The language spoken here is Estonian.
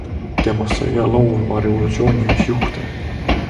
Temast sai laulva revolutsiooni üks juhte.